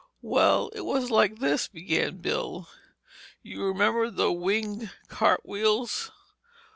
"Well, it was like this," began Bill. "You remember the Winged Cartwheels.